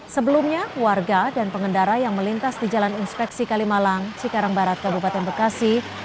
sebelumnya warga dan pengendara yang melintas di jalan inspeksi kalimalang cikarang barat kabupaten bekasi